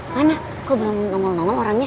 mana kok belum nomel nomel orangnya